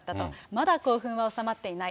まだ興奮は収まっていない。